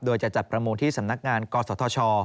โดยจะจัดประมูลที่สำนักงานกศธช